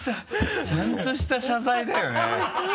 ちゃんとした謝罪だよね。